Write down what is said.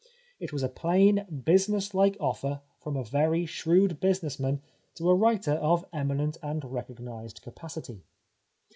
It was a plain, business like offer from a very shrewd business man to a writer of eminent and recognised capacity.